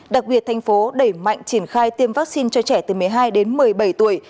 đặc biệt thành phố đẩy mạnh triển khai tiêm vaccine cho trẻ từ một mươi hai đến một mươi bảy tuổi